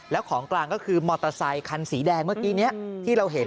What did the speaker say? แล้วของกลางก็คือมอเตอร์ไซคันสีแดงเมื่อกี้นี้ที่เราเห็น